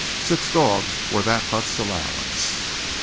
Six dogs were that hut's allowance.